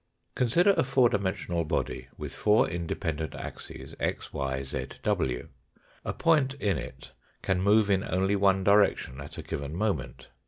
Consider a four dimensional body, with four independent axes, x, y, z, w. A point in it can move in only one direction at a given moment.